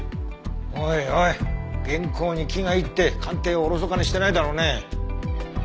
おいおい原稿に気がいって鑑定をおろそかにしてないだろうね。